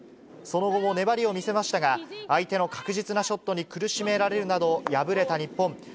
その後も粘りを見せましたが、相手の確実なショットに苦しめられるなど、敗れた日本。